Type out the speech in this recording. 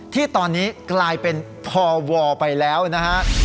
ที่ตอนนี้กลายเป็นพวไปแล้วนะฮะ